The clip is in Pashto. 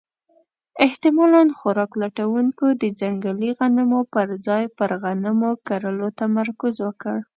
احتمالاً خوراک لټونکو د ځنګلي غنمو پر ځای پر غنمو کرلو تمرکز وکړ.